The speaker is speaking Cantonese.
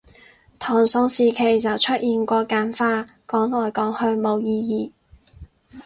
唐宋時期就出現過簡化，講來講去冇意義